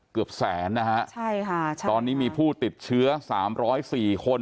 เกือบแสนนะฮะตอนนี้มีผู้ติดเชื้อ๓๐๔คน